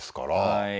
はい。